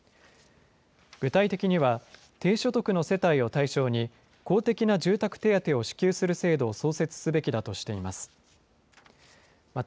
具体的には、低所得の世帯を対象に公的な住宅手当を支給する制度を創設すべきだとしています。